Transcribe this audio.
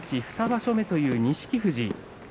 ２場所目という錦富士。